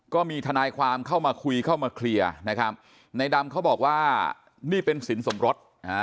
ก็มีทนายความเข้ามาคุยเข้ามาเคลียร์นะครับในดำเขาบอกว่านี่เป็นสินสมรส